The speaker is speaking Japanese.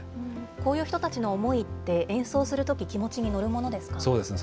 こういう人たちの思いって、演奏するとき、気持ちに乗るものそうですね。